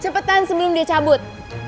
cepetan sebelum dia cabut